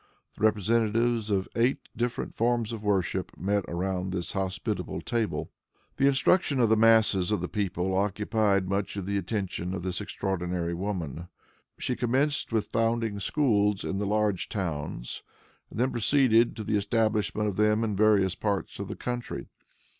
The representatives of eight different forms of worship met around this hospitable board. The instruction of the masses of the people occupied much of the attention of this extraordinary woman. She commenced with founding schools in the large towns; and then proceeded to the establishment of them in various parts of the country.